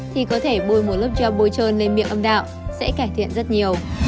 thì có thể bôi một lớp cho bôi trơn lên miệng âm đạo sẽ cải thiện rất nhiều